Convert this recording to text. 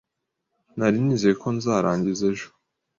Nari nizeye ko nzarangiza ejo.